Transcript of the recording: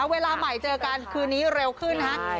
เวลาใหม่เจอกันคืนนี้เร็วขึ้นฮะ